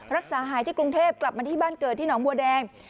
รักษาหายที่กรุงเทพกลับมาที่บ้านเกิดที่หนองบัวแดง